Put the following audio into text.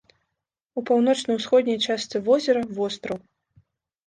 У паўночна-ўсходняй частцы возера востраў.